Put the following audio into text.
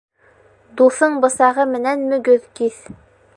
Дуҫың бысағы менән мөгөҙ киҫ